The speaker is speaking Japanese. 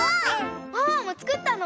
ワンワンもつくったの？